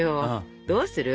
どうする？